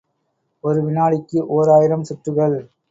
ஒரு வினாடிக்கு ஓர் ஆயிரம் சுற்றுகள்.